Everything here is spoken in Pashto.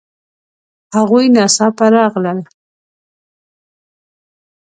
هغوی ناڅاپه راغلل